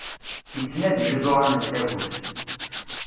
Ittnadi iẓuran n tagut!